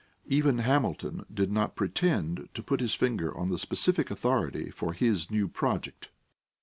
Even Hamilton did not pretend to put his finger on the specific authority for his new project.